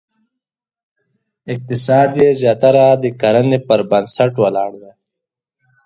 اقتصاد یې زیاتره د کرنې پر بنسټ ولاړ دی.